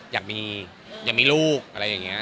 อยากมีอยากมีลูกอะไรอย่างนี้